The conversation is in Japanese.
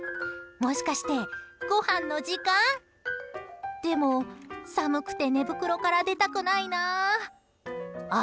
もしかして、ごはんの時間？でも、寒くて寝袋から出たくないなあ。